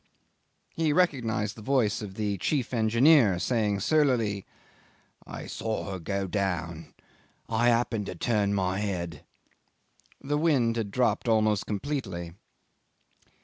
... Brrrr." He recognised the voice of the chief engineer saying surlily, "I saw her go down. I happened to turn my head." The wind had dropped almost completely.